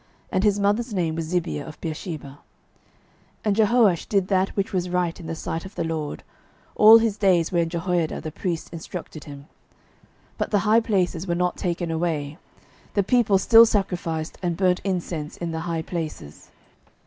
And his mother's name was Zibiah of Beersheba. 12:012:002 And Jehoash did that which was right in the sight of the LORD all his days wherein Jehoiada the priest instructed him. 12:012:003 But the high places were not taken away: the people still sacrificed and burnt incense in the high places.